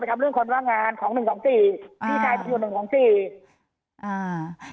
ทำเรื่องคนว่างงานของหนึ่งสองสี่พี่ชายเป็นส่วนหนึ่งของสี่อ่า